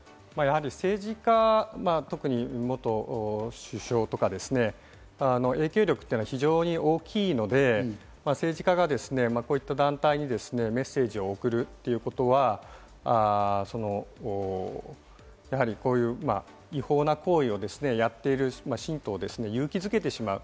政治家、特に元首相とか、影響力というのは非常に大きいので、政治家がこういった団体にメッセージを送るということは、こういった違法な行為をやっている宗教を勇気付けてしまう。